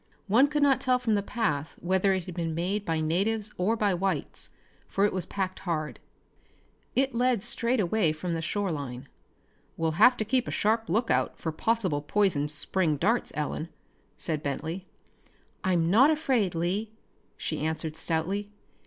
One could not tell from the path whether it had been made by natives or by whites, for it was packed hard. It led straight away from the shoreline. "We'll have to keep a sharp lookout for possible poisoned spring darts, Ellen," said Bentley. "I'm not afraid, Lee," she answered stoutly.